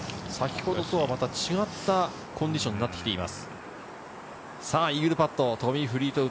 先ほどと違ったコンディションになっています。